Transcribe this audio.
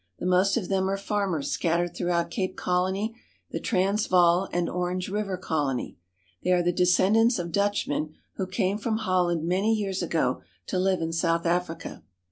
The most of them are farmers scattered throughout Cape Colony, the Transvaal, and Orange River Colony. They are the descendants of Dutchmen who came from Holland many years ago to live in South Africa.